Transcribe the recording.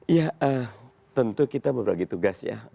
ya tentu kita berbagi tugas ya